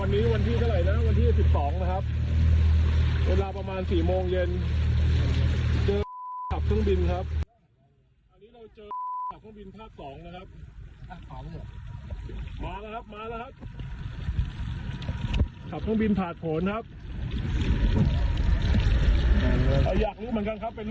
โอ้โหทำไมขับต่ำอย่างนั้นคุณ